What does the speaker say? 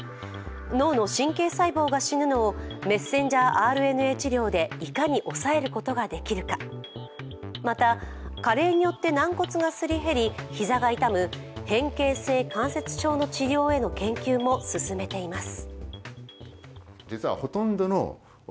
脳の神経細胞が死ぬのをメッセンジャーＲＮＡ治療でいかに抑えることができるか、また、加齢によって軟骨がすり減り膝が痛む変形性関節症の治療への研究も進めています。